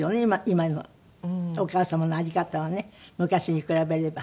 今のお母様のあり方はね昔に比べれば。